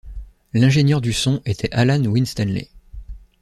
L'ingénieur du son était Alan Winstanley.